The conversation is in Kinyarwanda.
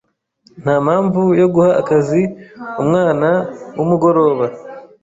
Ntampamvu yo guha akazi umwana wumugoroba